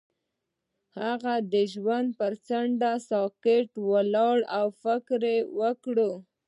هغه د ژوند پر څنډه ساکت ولاړ او فکر وکړ.